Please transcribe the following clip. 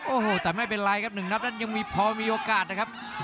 โอ้โหแต่ไม่เป็นไรครับ๑นับนั้นยังมีพอมีโอกาสนะครับ